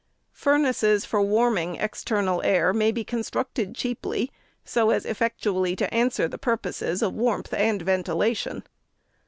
Furnaces for warming external air may be constructed cheaply, so as effectually to answer the purposes of warmth and ventilation.